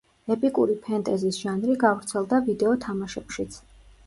ეპიკური ფენტეზის ჟანრი გავრცელდა ვიდეო თამაშებშიც.